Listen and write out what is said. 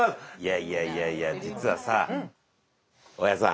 いやいやいや実はさ大家さん。